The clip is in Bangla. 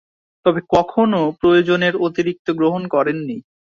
তবে কখনো প্রয়োজনের অতিরিক্ত গ্রহণ করেননি।